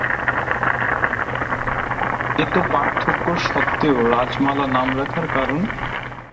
এত পার্থক্য সত্ত্বেও রাজমালা নাম রাখার কারণ?